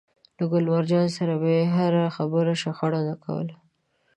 له ګل مرجان سره به يې پر هره خبره شخړه نه کوله.